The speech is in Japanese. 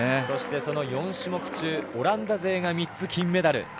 そして、４種目中オランダ勢が３つ、金メダル。